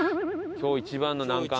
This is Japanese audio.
今日一番の難関。